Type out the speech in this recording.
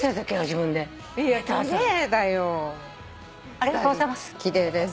ありがとうございます。